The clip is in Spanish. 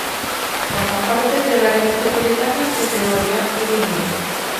Forma parte del área metropolitana de Peoria, Illinois.